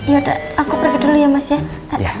yaudah aku pergi dulu ya mas ya